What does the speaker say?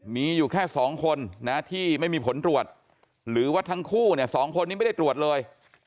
มีอยู่แค่๒คนที่ไม่มีผลตรวจหรือว่าทั้งคู่เนี่ย๒คนนี้ไม่ได้ตรวจเลย